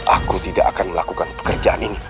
aku tidak akan melakukan pekerjaan ini